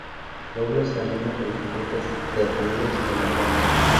Doblas es una de las puntas de rieles de La Pampa.